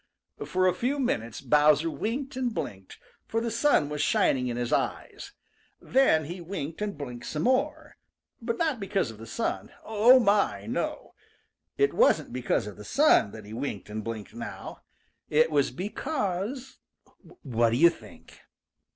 For a few minutes Bowser winked and blinked, for the sun was shining in his eyes. Then he winked and blinked some more, but not because of the sun. Oh, my, no! it wasn't because of the sun that he winked and blinked now. It was because what do you think?